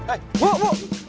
eh bu bu